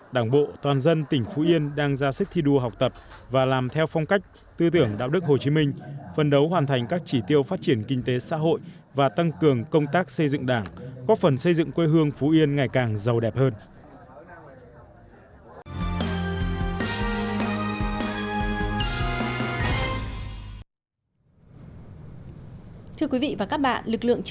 đảng bộ toàn dân tỉnh phú yên đang ra sức thi đua học tập và làm theo phong cách tư tưởng đạo đức hồ chí minh phân đấu hoàn thành các chỉ tiêu phát triển kinh tế xã hội và tăng cường công tác xây dựng đảng có phần xây dựng quê hương phú yên ngày càng giàu đẹp hơn